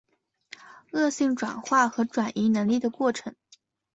恶性转化和转移能力的过程。